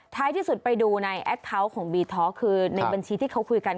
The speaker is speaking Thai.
ที่สุดไปดูในแอคเคาน์ของบีท็อกคือในบัญชีที่เขาคุยกัน